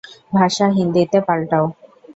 ভাষা হিন্দিতে পাল্টাও।